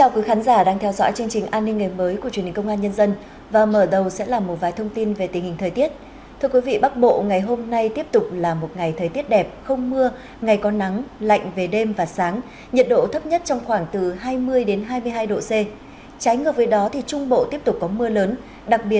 chào mừng quý vị đến với bộ phim hãy nhớ like share và đăng ký kênh của chúng mình nhé